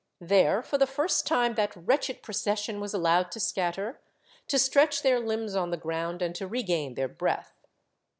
There for the first time that wretched procession was allowed to scatter, to stretch their limbs on the ground, and to regain their breath.